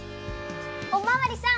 おまわりさん